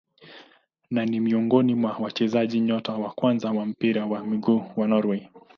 Na ni miongoni mwa wachezaji nyota wa kwanza wa mpira wa miguu wa Norway.